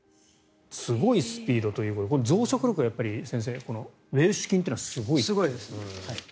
すごいスピードということで増殖力がウエルシュ菌というのはすごいんですね。